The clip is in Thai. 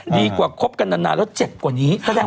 ดีกว่าที่ครอบคลับกันนานแล้วเจ็บกว่านี้